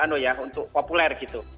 menunut untuk populer gitu